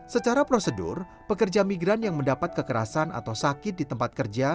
secara prosedur pekerja migran yang mendapat kekerasan atau sakit di tempat kerja